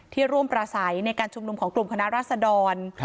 ร่วมประสัยในการชุมนุมของกลุ่มคณะราษดร